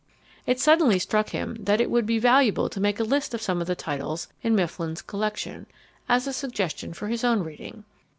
It suddenly struck him that it would be valuable to make a list of some of the titles in Mifflin's collection, as a suggestion for his own reading.